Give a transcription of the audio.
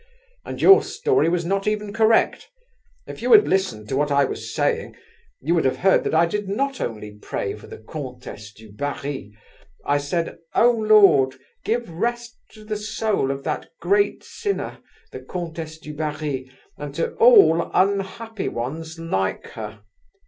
And your story was not even correct! If you had listened to what I was saying, you would have heard that I did not only pray for the Comtesse du Barry. I said, 'Oh Lord! give rest to the soul of that great sinner, the Comtesse du Barry, and to all unhappy ones like her.